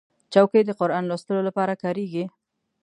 چوکۍ د قرآن لوستلو لپاره کارېږي.